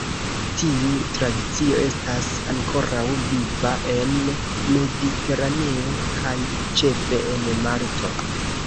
Tiu tradicio estas ankoraŭ viva en Mediteraneo, kaj ĉefe en Malto.